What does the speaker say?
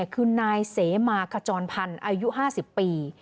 คือนายเสมาขจรพันธ์อายุ๕๐ปี